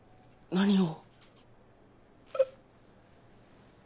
何を。